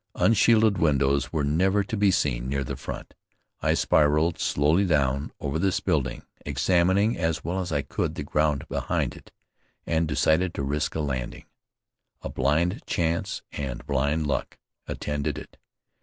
Unshielded windows were never to be seen near the front. I spiraled slowly down over this building, examining, as well as I could, the ground behind it, and decided to risk a landing. A blind chance and blind luck attended it.